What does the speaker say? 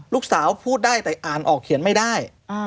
ลูกสาวพูดได้แต่อ่านออกเขียนไม่ได้